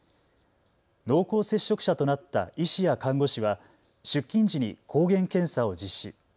濃厚接触者となった医師や看護師は出勤時に抗原検査を実施。